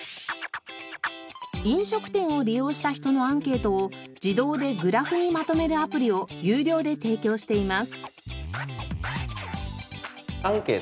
飲食店を利用した人のアンケートを自動でグラフにまとめるアプリを有料で提供しています。